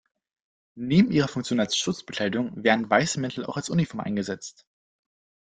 Neben ihrer Funktion als Schutzbekleidung werden weiße Mäntel auch als Uniform eingesetzt.